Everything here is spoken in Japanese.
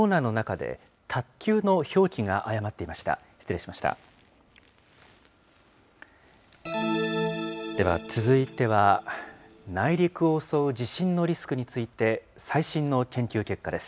では続いては、内陸を襲う地震のリスクについて、最新の研究結果です。